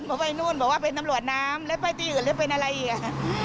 พอไปนู่นบอกว่าเป็นตำรวจน้ำแล้วไปที่อื่นแล้วเป็นอะไรอีกอ่ะ